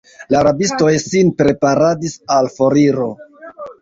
La rabistoj sin preparadis al foriro.